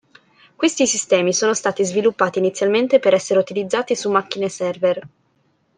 Questi sistemi sono stati sviluppati inizialmente per essere utilizzati su macchine server.